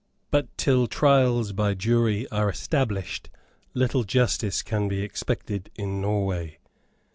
But till trials by jury are established, little justice can be expected in Norway.